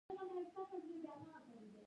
څنګه کولی شم د فېسبوک له لارې کاروبار وکړم